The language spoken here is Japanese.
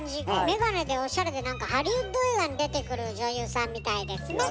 眼鏡でオシャレで何かハリウッド映画に出てくる女優さんみたいですね。